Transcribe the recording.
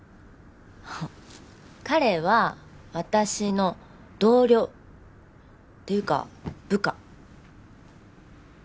彼は私の同僚。っていうか部下。